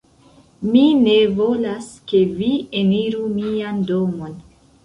Mi ne volas, ke vi eniru mian domon